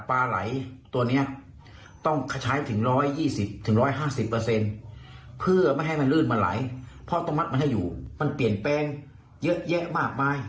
นั่นคือระยะ๑ปีที่ผ่านมาเนี่ยนะ